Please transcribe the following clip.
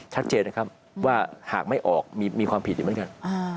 ชัดเจนนะครับว่าหากไม่ออกมีความผิดอยู่เหมือนกัน